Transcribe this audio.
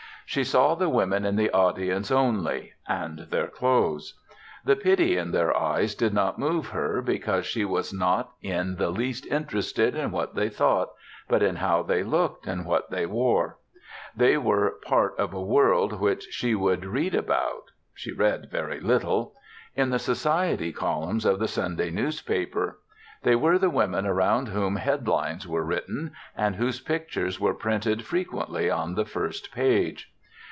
She saw the women in the audience only, and their clothes. The pity in their eyes did not move her, because she was not in the least interested in what they thought, but in how they looked and what they wore. They were part of a world which she would read about she read very little in the society columns of the Sunday newspaper. They were the women around whom headlines were written and whose pictures were printed frequently on the first page.